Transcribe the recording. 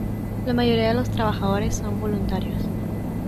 La mayoría de los trabajadores son voluntarios.